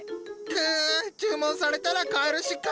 くっ注文されたら帰るしか。